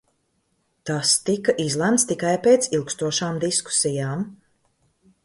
Tas tika izlemts tikai pēc ilgstošām diskusijām.